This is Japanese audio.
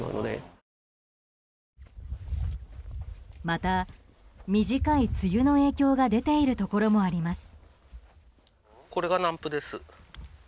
また、短い梅雨の影響が出ているところもあります。